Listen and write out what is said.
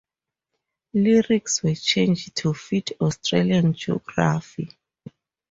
Lyrics were changed to fit Australian geography.